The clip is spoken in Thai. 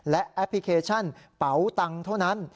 และแอปพลิเคชันเป๋าตังค์เท่านั้น